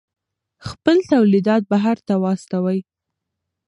خپل تولیدات بهر ته واستوئ.